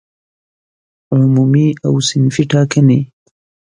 عمومي او صنفي ټاکنې